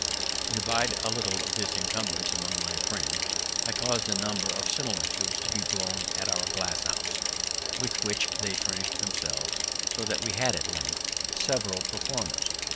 To divide a little this incumbrance among my friends, I caused a number of similar tubes to be blown at our glass house, with which they furnish'd themselves, so that we had at length several performers.